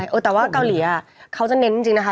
ใช่โอ้ยแต่ว่าเกาหลีอ่ะเขาจะเน้นจริงจริงนะคะ